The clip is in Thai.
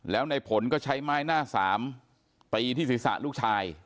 แล้วในผลก็ใช้ไม้หน้าสามตีที่ศีรษะลูกชาย